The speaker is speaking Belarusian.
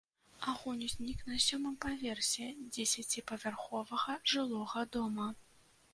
Агонь узнік на сёмым паверсе дзесяціпавярховага жылога дома.